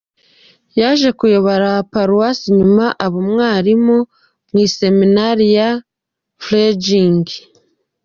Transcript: Yaje kuyobora paruwasi nyuma aba umwarimu mu Iseminari ya Freising.